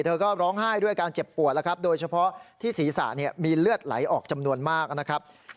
เธอก็ร้องไห้ด้วยการเจ็บปวดแล้วครับโดยเฉพาะที่ศีรษะมีเลือดไหลออกจำนวนมากนะครับ